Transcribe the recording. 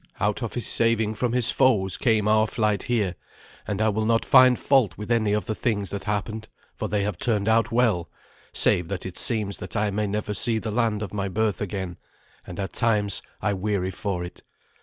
Out of his saving from his foes came our flight here; and I will not find fault with any of the things that happened, for they have turned out well, save that it seems that I may never see the land of my birth again, and at times I weary for it.